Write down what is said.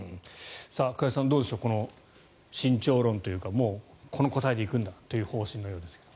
加谷さん、どうでしょう慎重論というかこの答えで行くんだという方針のようですけど。